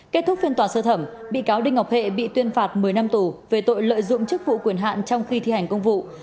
kết thúc phiên tòa sơ thẩm bị cáo đinh ngọc hệ bị tuyên phạt một mươi năm tù về tội lợi dụng chức vụ quyền hạn trong khi thi hành công vụ